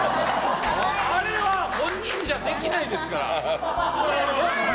あれは本人じゃできないですから。